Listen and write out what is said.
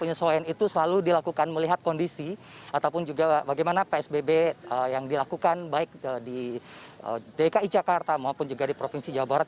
penyesuaian itu selalu dilakukan melihat kondisi ataupun juga bagaimana psbb yang dilakukan baik di dki jakarta maupun juga di provinsi jawa barat